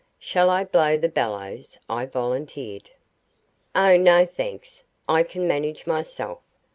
"Shall I blow the bellows?" I volunteered. "Oh no, thanks. I can manage myself.